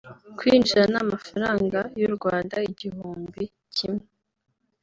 kwinjira ni amafaranga y’u Rwanda igihumbi kimwe